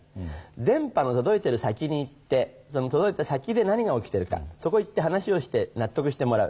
電波の届いている先に行ってその届いた先で何が起きているかそこ行って話をして納得してもらう。